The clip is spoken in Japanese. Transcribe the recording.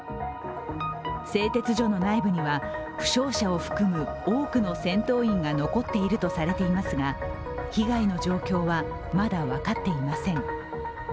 製鉄所の内部には負傷者を含む多くの戦闘員が残っているとされていますが被害の状況はまだ分かっていません。